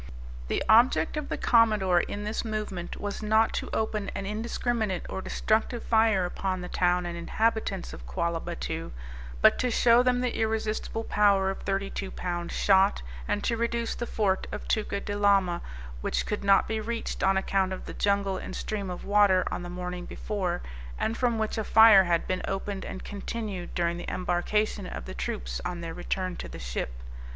The object of the Commodore, in this movement, was not to open an indiscriminate or destructive fire upon the town and inhabitants of Quallah Battoo, but to show them the irresistible power of thirty two pound shot, and to reduce the fort of Tuca de Lama, which could not be reached on account of the jungle and stream of water, on the morning before, and from which a fire had been opened and continued during the embarkation of the troops on their return to the ship.